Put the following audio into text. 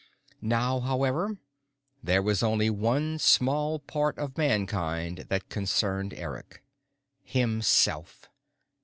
Now, however, there was only one small part of Mankind that concerned Eric. Himself.